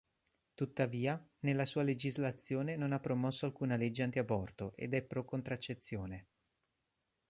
Tuttavia, nella sua legislazione non ha promosso alcuna legge anti-aborto ed è pro-contraccezione.